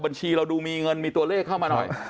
บัญชีเราดูมีเงินมีตัวเลขเข้ามาหน่อย